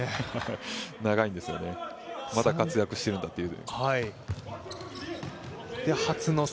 長いんですよねまだ活躍しているんだという。